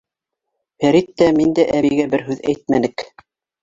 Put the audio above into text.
Фәрит тә, мин дә әбейгә бер һүҙ әйтмәнек.